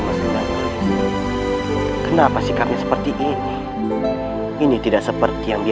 raden kenapa kau melihat aku seperti ini